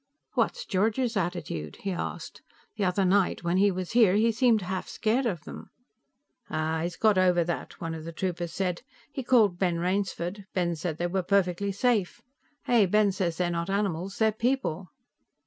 "What's George's attitude?" he asked. "The other night, when he was here, he seemed half scared of them." "Aah, he's got over that," one of the troopers said. "He called Ben Rainsford; Ben said they were perfectly safe. Hey, Ben says they're not animals; they're people."